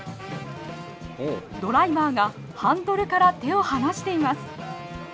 ドライバーがハンドルから手を離しています。